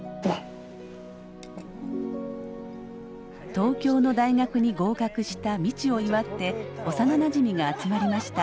東京の大学に合格した未知を祝って幼なじみが集まりました。